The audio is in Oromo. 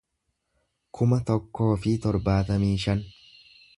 kuma tokkoo fi torbaatamii shan